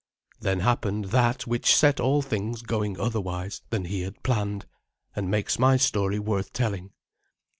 Then happened that which set all things going otherwise than he had planned, and makes my story worth telling.